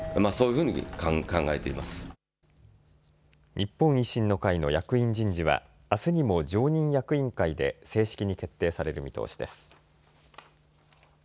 日本維新の会の役員人事はあすにも常任役員会で正式に決定される見通しです。